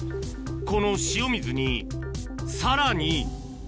この塩水にさらに。